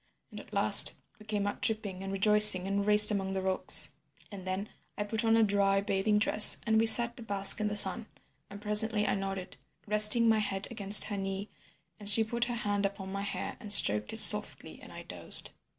And at last we came out dripping and rejoicing and raced among the rocks. And then I put on a dry bathing dress, and we sat to bask in the sun, and presently I nodded, resting my head against her knee, and she put her hand upon my hair and stroked it softly and I dozed.